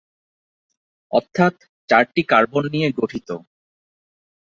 অর্থাৎ চারটি কার্বন নিয়ে গঠিত।